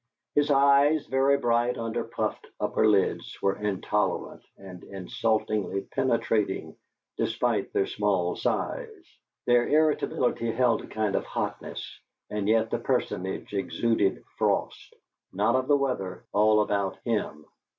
His eyes, very bright under puffed upper lids, were intolerant and insultingly penetrating despite their small size. Their irritability held a kind of hotness, and yet the personage exuded frost, not of the weather, all about him.